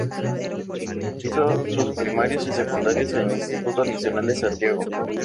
Hizo sus primarios y secundarios en el Instituto Nacional de Santiago.